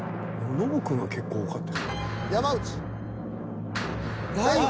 ノブくんが結構多かった。